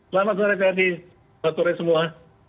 selamat sore pak dino selamat sore semua